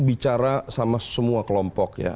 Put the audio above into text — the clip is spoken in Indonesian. bicara sama semua kelompok ya